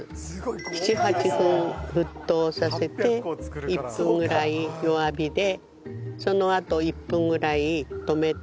７８分沸騰させて１分ぐらい弱火でそのあと１分ぐらい止めて待ちます。